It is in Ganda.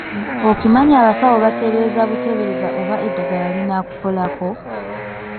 Okimanyi abasawo bateebereza buteebereza oba eddagala linaakukolako?